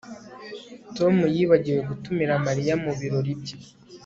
Tom yibagiwe gutumira Mariya mubirori bye